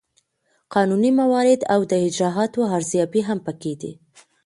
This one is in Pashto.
قانوني موارد او د اجرااتو ارزیابي هم پکې دي.